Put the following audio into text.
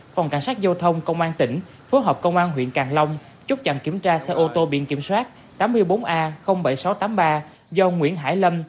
phòng cảnh sát giao thông công an tỉnh phối hợp công an huyện càng long chốt chặn kiểm tra xe ô tô biển kiểm soát tám mươi bốn a bảy nghìn sáu trăm tám mươi ba do nguyễn hải lâm